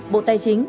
bộ tài chính